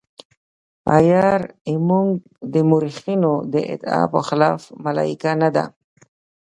عیار زموږ د مورخینو د ادعا په خلاف ملایکه نه ده.